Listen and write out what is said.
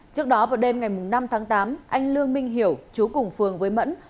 trước đó vào đêm ngày năm tháng tám anh lương minh hiểu chú cùng phường với mẫn